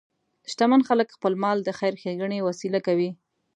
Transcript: شتمن خلک خپل مال د خیر ښیګڼې وسیله کوي.